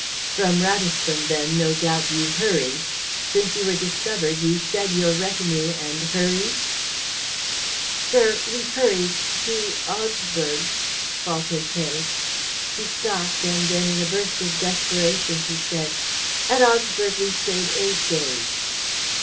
"From Ratisbon then no doubt you hurried? Since you were discovered, you shed your retinue and hurried?" "Sir, we hurried to Augsburg," faltered Hay. He stopped, and then in a burst of desperation he said, "At Augsburg we stayed eight days."